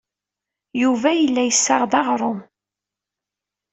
Yuba yella yessaɣ-d aɣrum.